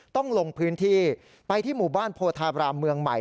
ต้องลงพื้นที่ไปที่หมู่บ้านโพธาบรามเมืองใหม่